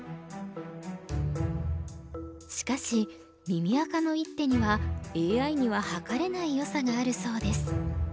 しかし耳赤の一手にはＡＩには測れないよさがあるそうです。